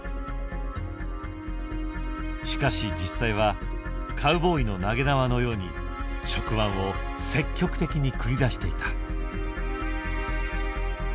しかし実際はカウボーイの投げ縄のように触腕を積極的に繰り出していた。